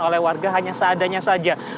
oleh warga hanya seadanya saja